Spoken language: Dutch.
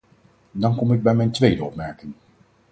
Dan kom ik bij mijn tweede opmerking.